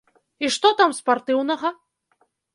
І што там спартыўнага?